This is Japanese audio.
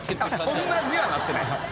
そんなにはなってないです。